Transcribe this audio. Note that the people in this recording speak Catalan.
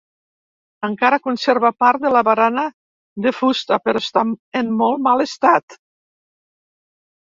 Encara conserva part de la barana de fusta però està en molt mal estat.